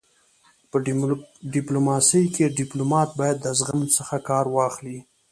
په ډيپلوماسی کي ډيپلومات باید د زغم څخه کار واخلي.